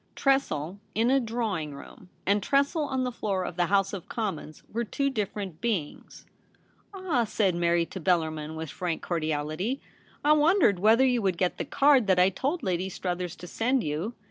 Tressel in a drawine room and Tressel on the floor of the House of Commons were two different beings. ' Ah !' said Mary to Bellarmin, with frank cordiality, * I wondered whether you would get the card that I told Lady Struthers to send you.